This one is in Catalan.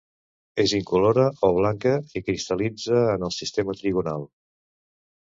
És incolora o blanca i cristal·litza en el sistema trigonal.